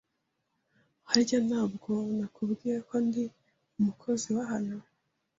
Harya ntabwo nakubwiye ko ndi umukozi wa hano